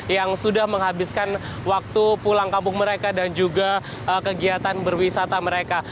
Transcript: yang sudah menghabiskan waktu pulang kampung mereka dan juga kegiatan berwisata mereka